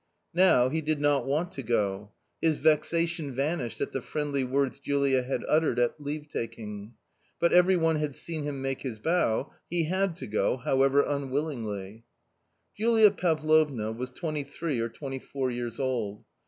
Now he did not want to go. His vexation vanished at the friendly words Julia had uttered at leave taking. But every one had seen him make his bow ; he had to go, however unw&lingly. T ulia Pay jognajyas ^twenty three or twenty : four years old.